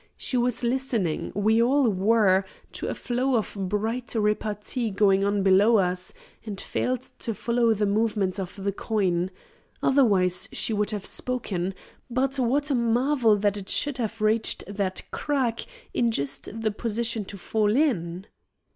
She was listening we all were to a flow of bright repartee going on below us, and failed to follow the movements of the coin. Otherwise, she would have spoken. But what a marvel that it should have reached that crack in just the position to fall in!"